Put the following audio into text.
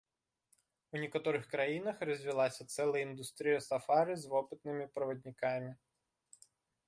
У некаторых краінах развілася цэлая індустрыя сафары з вопытнымі праваднікамі.